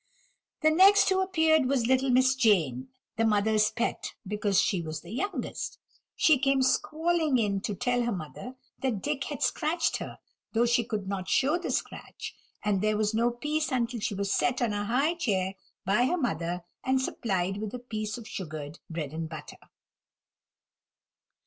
The next who appeared was little Miss Jane, the mother's pet, because she was the youngest. She came squalling in to tell her mother that Dick had scratched her, though she could not show the scratch; and there was no peace until she was set on a high chair by her mother, and supplied with a piece of sugared bread and butter.